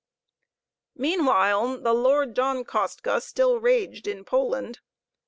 Meantime the Lord John Kostka still raged in Poland.